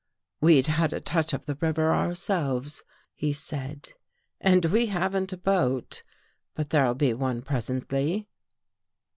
"WeVe had a touch of the river ourselves," he said, " and we haven't a boat, but there'll be one presently."